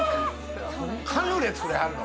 カヌレ作れはるの？